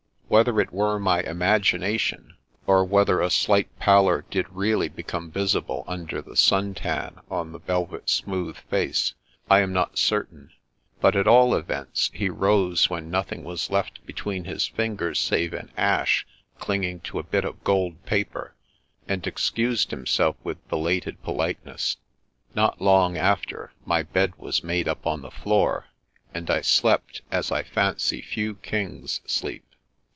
Whether it were my imagination, or whether a slight pallor did really become visible imder the sun tan on the velvet smooth face, I am not certain ; but at all events he rose when nothing was left between his fingers save an ash clinging to a bit of gold paper, and excused himself with belated politeness. Not long after, my bed was made up on the floor, and I slept as I fancy few kings sleep.